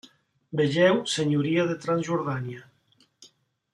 Vegeu Senyoria de Transjordània.